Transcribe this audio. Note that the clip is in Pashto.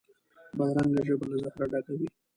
بدرنګه ژبه له زهره ډکه وي